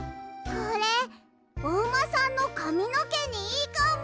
これおうまさんのかみのけにいいかも！